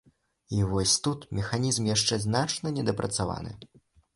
І вось тут механізм яшчэ значна недапрацаваны.